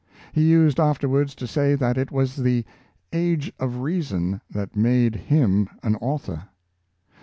He used afterwards to say that it was the '^ Age of Reason " that made him an author.